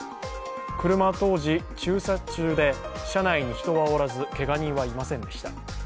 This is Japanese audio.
車は当時、駐車中で車内に人はおらずけが人はいませんでした。